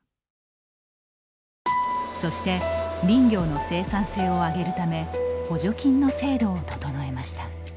そして、林業の生産性を上げるため補助金の制度を整えました。